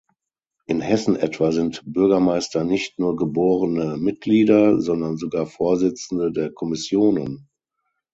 In Hessen etwa sind Bürgermeister nicht nur geborene Mitglieder, sondern sogar Vorsitzende der Kommissionen.